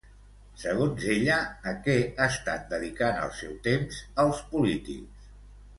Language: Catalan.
Segons ella, a què estan dedicant el seu temps els polítics?